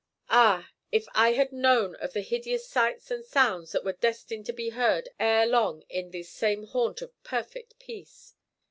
Ah! if I had known of the hideous sights and sounds that were destined to be heard ere long in this same haunt of perfect peace!